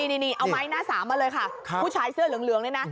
นี่เอาไม้หน้าสามมาเลยค่ะผู้ชายเสื้อเหลืองนี่นะ